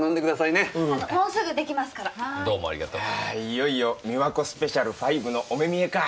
いよいよ美和子スペシャル５のお目見えか。